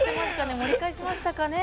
盛り返しましたかね。